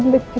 kamu di sini